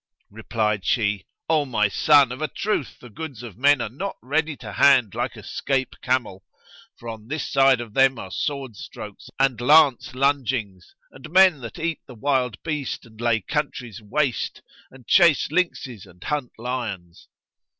Replied she, "O my son, of a truth the goods of men are not ready to hand like a scape camel;[FN#95] for on this side of them are sword strokes and lance lungings and men that eat the wild beast and lay countries waste and chase lynxes and hunt lions."